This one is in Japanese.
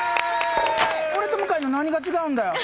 俺と向井の何が違うんだよ。